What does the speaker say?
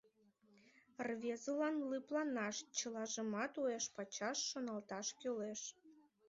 Рвезылан лыпланаш, чылажымат уэш-пачаш шоналташ кӱлеш.